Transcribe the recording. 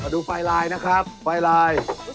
ดูไฟลายนะครับไฟลาย